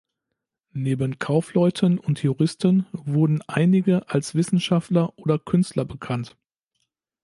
Neben Kaufleuten und Juristen wurden einige als Wissenschaftler oder Künstler bekannt.